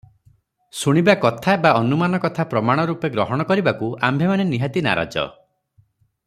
ଶୁଣିବା କଥା ବା ଅନୁମାନ କଥା ପ୍ରମାଣ ରୂପେ ଗ୍ରହଣ କରିବାକୁ ଆମ୍ଭେମାନେ ନିହାତି ନାରାଜ ।